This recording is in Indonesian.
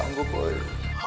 tapi mah aku sanggup